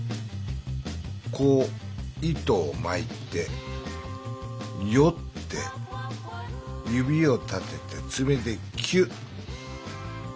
こう糸をまいてよって指を立ててつめでキュッ。